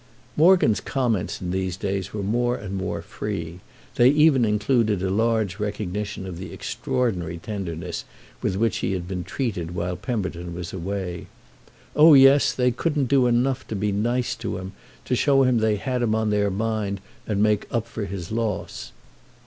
Morgan's comments in these days were more and more free; they even included a large recognition of the extraordinary tenderness with which he had been treated while Pemberton was away. Oh yes, they couldn't do enough to be nice to him, to show him they had him on their mind and make up for his loss.